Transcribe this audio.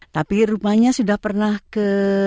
tapi rumahnya sudah pernah ke